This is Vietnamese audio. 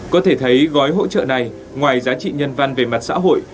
có thể thấy gói hỗ trợ này ngoài giá trị nhân văn về mặt xã hội